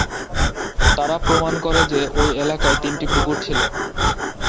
তারা প্রমাণ করে যে, ওই এলাকায় তিনটি পুকুর ছিল।